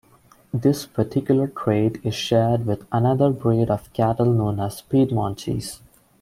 This particular trait is shared with another breed of cattle known as Piedmontese.